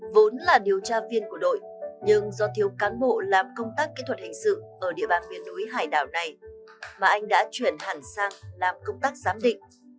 vốn là điều tra viên của đội nhưng do thiếu cán bộ làm công tác kỹ thuật hình sự ở địa bàn miền núi hải đảo này mà anh đã chuyển hẳn sang làm công tác giám định